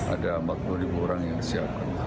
ada empat puluh ribu orang yang siap